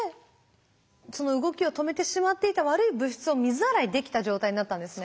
その動きを止めてしまっていた悪い物質を水洗いできた状態になったんですね。